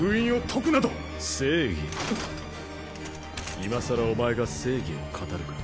今更お前が正義を語るか？